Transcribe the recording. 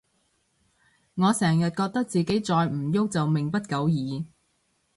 我成日覺得自己再唔郁就命不久矣